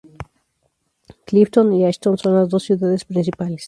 Clifton y Ashton son las dos ciudades principales.